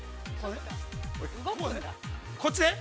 ◆こっちね。